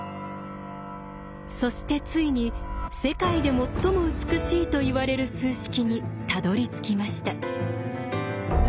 そしてついに世界で最も美しいといわれる数式にたどりつきました。